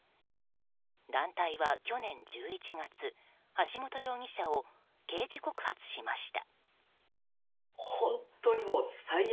団体は、去年１１月橋本容疑者を刑事告発しました。